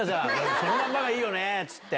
そのまんまがいいよねって。